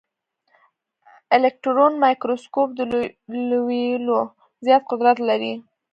الکټرون مایکروسکوپ د لویولو زیات قدرت لري.